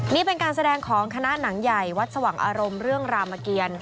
นี่เป็นการแสดงของคณะหนังใหญ่วัดสว่างอารมณ์เรื่องรามเกียร